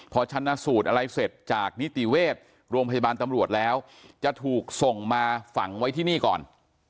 พอชนะสูตรอะไรเสร็จจากนิติเวชโรงพยาบาลตำรวจแล้วจะถูกส่งมาฝังไว้ที่นี่ก่อน